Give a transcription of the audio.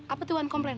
apa tuh wan komplain